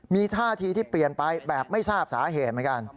มีท่าที่ที่เปลี่ยนไปแบบไม่ทราบสาเหตุคะ